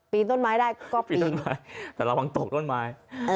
ปีนต้นไม้ได้ก็ปีนแต่ระวังตกต้นไม้